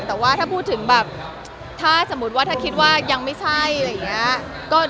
แต่ว่าถ้าพูดถึงแบบถ้าสมมุติว่าถ้าคิดว่ายังไม่ใช่อะไรอย่างนี้